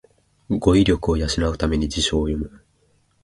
語彙力を養うために辞書を読む